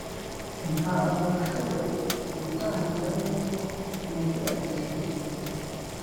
ntabwo nashoboye gutangira nubwo nagerageje gute